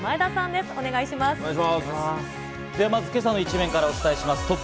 では、まずは今朝の一面からお伝えします。